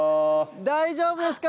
大丈夫ですか？